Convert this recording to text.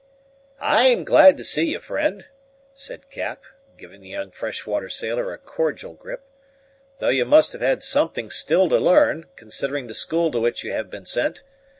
"I am glad to see you, friend," said Cap, giving the young fresh water sailor a cordial grip; "though you must have something still to learn, considering the school to which you have been sent.